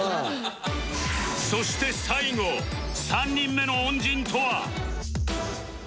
そして最後３人目の恩人とは？